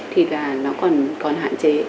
thì là nó còn hạn chế